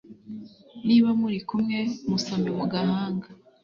niba muri kumwe, musome mu gahanga